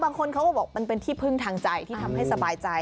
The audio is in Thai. บางคนเขาก็บอกมันเป็นที่พึ่งทางใจที่ทำให้สบายใจ